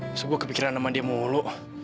terus gue kepikiran sama dia mulu